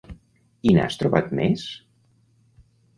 I n'has trobat més?